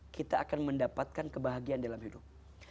kita akan mendapatkan kebahagiaan dalam hidup